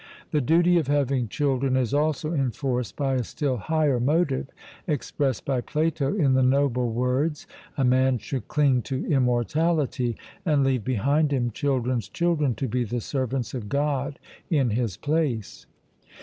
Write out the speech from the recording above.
The duty of having children is also enforced by a still higher motive, expressed by Plato in the noble words: 'A man should cling to immortality, and leave behind him children's children to be the servants of God in his place.'